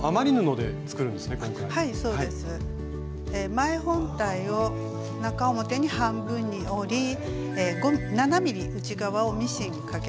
前本体を中表に半分に折り７ｍｍ内側をミシンかけます。